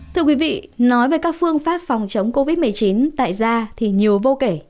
thưa quý vị nói về các phương pháp phòng chống covid một mươi chín tại ra thì nhiều vô kể